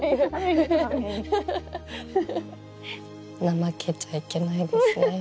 怠けちゃいけないですね。